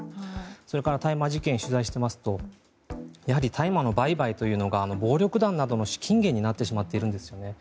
それから大麻事件を取材していますと大麻の売買というのが暴力団などの資金源になってしまっているんですよね。